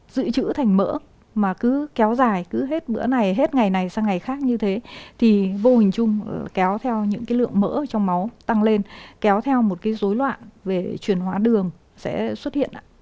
dự trữ thành mỡ mà cứ kéo dài cứ hết bữa này hết ngày này sang ngày khác như thế thì vô hình chung kéo theo những cái lượng mỡ trong máu tăng lên kéo theo một cái dối loạn về truyền hóa đường sẽ xuất hiện ạ